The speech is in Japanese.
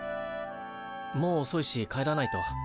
もうおそいし帰らないと。